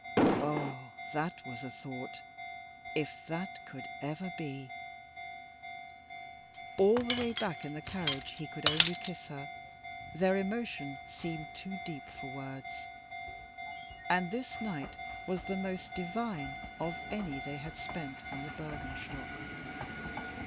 Ah! that was a thought, if that could ever be! All the way back in the carriage he could only kiss her. Their emotion seemed too deep for words. And this night was the most divine of any they had spent on the Bürgenstock.